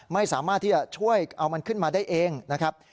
ไม่สามารถที่จะช่วยเอามันขึ้นมาได้เองนะครับ